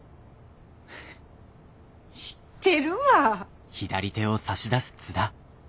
知ってるわ。